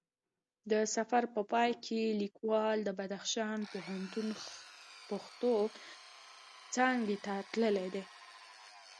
د سفر په پای کې لیکوال د بدخشان پوهنتون پښتو څانګی ته تللی دی